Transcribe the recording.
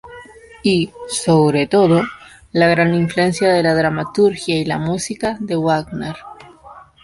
Y, sobre todo, la gran influencia de la dramaturgia y la música de Wagner.